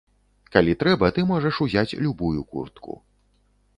Калі трэба, ты можаш узяць любую куртку.